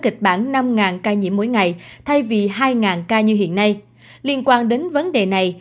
kịch bản năm ca nhiễm mỗi ngày thay vì hai ca như hiện nay liên quan đến vấn đề này